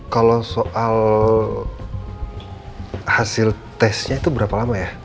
kalau soal hasil tesnya itu berapa lama ya